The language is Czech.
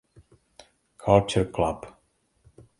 Culture club.